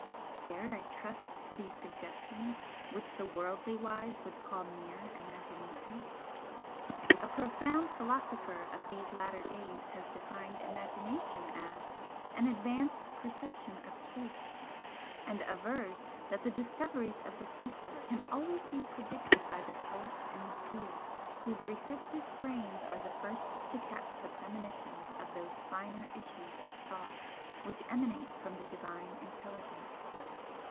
Dared I trust to these suggestions which the worldly wise would call mere imagination? A profound philosopher of these latter days has defined Imagination as 'an advanced perception of truth,' and avers that the discoveries of the future can always be predicted by the poet and the seer, whose receptive brains are the first to catch the premonitions of those finer issues of thought which emanate from the Divine intelligence.